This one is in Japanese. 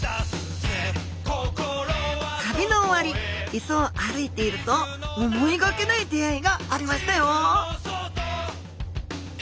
旅の終わりいそを歩いていると思いがけない出会いがありましたよ